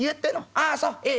ああそうええ。